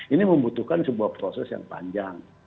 ini membutuhkan sebuah proses yang panjang